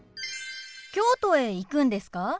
京都へ行くんですか？